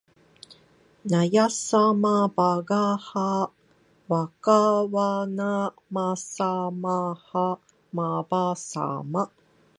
なやさまばがはわかわなまさまはまばさま